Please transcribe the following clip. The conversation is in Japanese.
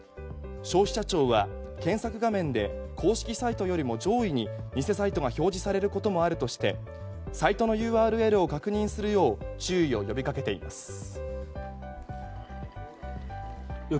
消費者庁は検索画面で公式サイトよりも上位に偽サイトが表示されることもあるとしてサイトのＵＲＬを確認するよう注意を呼び掛けています。